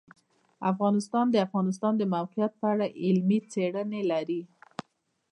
افغانستان د د افغانستان د موقعیت په اړه علمي څېړنې لري.